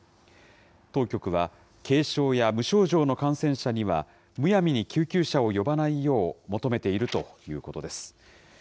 当局は、軽症や無症状の感染者には、むやみに救急車を呼ばないよう求めているということです。